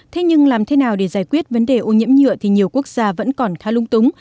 thế nhưng làm thế nào để giải quyết vấn đề ô nhiễm nhựa thì nhiều quốc gia vẫn còn khá lung túng